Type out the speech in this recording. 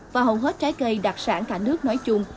và hầu hết trái cây đặc sản cả nước nói chung